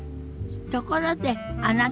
ところであなた